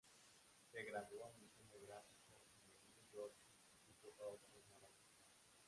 Se graduó en Diseño gráfico en el New York Institute of Technology.